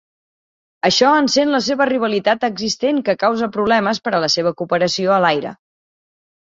Això encén la seva rivalitat existent, que causa problemes per a la seva cooperació a l'aire.